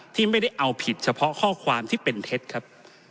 ที่ไม่ได้เอาผิดเฉพาะข้อความที่เป็นเท็จครับ